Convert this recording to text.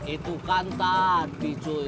itu kan tadi cuy